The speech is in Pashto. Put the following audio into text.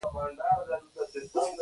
ته مه خفه کېږه.